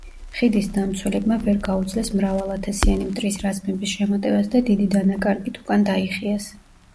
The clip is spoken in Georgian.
ხიდის დამცველებმა ვერ გაუძლეს მრავალათასიანი მტრის რაზმების შემოტევას და დიდი დანაკარგით უკან დაიხიეს.